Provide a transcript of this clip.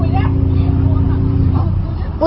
แล้ว